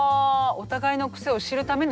お互いのクセを知るための１回？